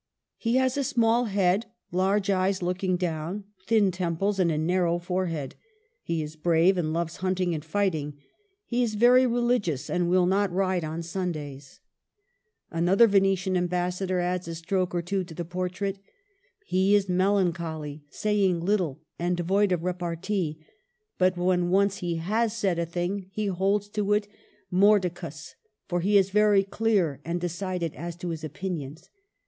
He has a small head, large eyes looking down, thin temples, and a narrow forehead. He is brave, and loves hunt ing and fighting ; and he is very religious, and will not ride on Sundays." 1 64 MARGARET OF ANGOULEME. Another Venetian ambassador adds a stroke or two to the portrait :—" He is melancholy, saying little, and devoid of repar tee ; but when once he has said a thing he holds to it 7no7'dicus, for he is very clear and decided as to his opinions.